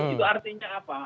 itu artinya apa